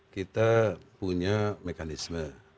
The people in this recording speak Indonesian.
kita punya mekanisme